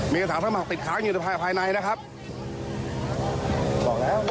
มีอาสาสมัครติดค้างอยู่ภายภายในนะครับบอกแล้ว